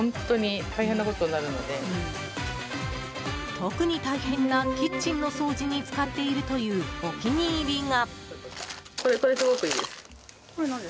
特に大変なキッチンの掃除に使っているというお気に入りが。